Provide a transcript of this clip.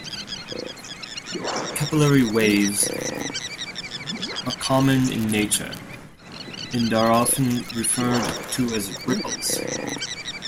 Capillary waves are common in nature, and are often referred to as ripples.